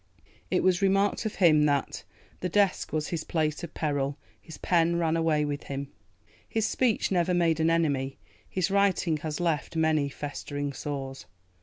It was remarked of him that "the desk was his place of peril, his pen ran away with him. His speech never made an enemy, his writing has left many festering sores.